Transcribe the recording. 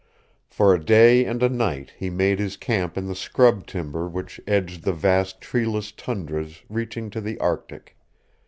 For a day and a night he made his camp in the scrub timber which edged the vast treeless tundras reaching to the Arctic.